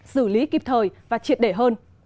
xử lý kịp thời và triệt để hơn